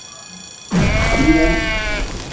Miyen.